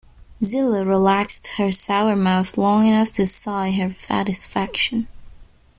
Zilla relaxed her sour mouth long enough to sigh her satisfaction.